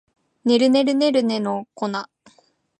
ねるねるねるねの一の粉